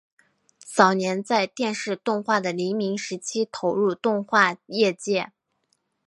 早年在电视动画的黎明时期投入动画业界。